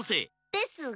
ですが。